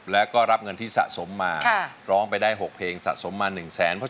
แล้วก็รับเงินที่สะสมมาร้องไปได้๖เพลงสะสมมา๑แสน